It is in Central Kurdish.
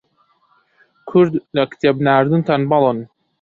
کورد لە کتێب ناردن تەنبەڵن